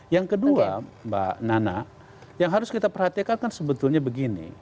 yang kedua mbak nana yang harus kita perhatikan kan sebetulnya begini